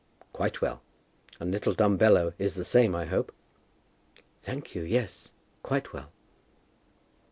"Quite well; and little Dumbello is the same, I hope?" "Thank you, yes; quite well."